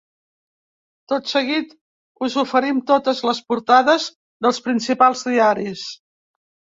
Tot seguit us oferim totes les portades dels principals diaris.